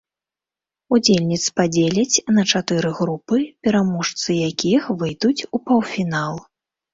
Удзельніц падзеляць на чатыры групы, пераможцы якіх выйдуць у паўфінал.